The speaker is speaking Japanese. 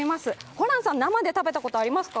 ホランさん、生で食べたことありますか？